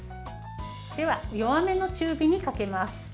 では、弱めの中火にかけます。